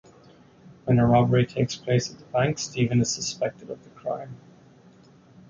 When a robbery takes place at the bank, Stephen is suspected of the crime.